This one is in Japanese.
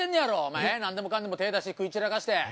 何でもかんでも手ぇ出して食い散らかして。